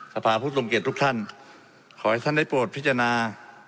สภาผู้ทรงเกียจทุกท่านขอให้ท่านได้โปรดพิจารณา